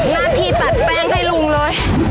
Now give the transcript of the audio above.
หน้าที่ตัดแป้งให้ลุงเลย